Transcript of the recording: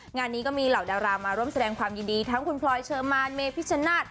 งานนี้ก็มีเหล่าดารามาร่วมแสดงความยินดีทั้งคุณพลอยเชอร์มานเมพิชชนาธิ